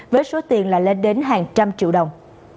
với số tiền là lên đến hàng trăm triệu đồng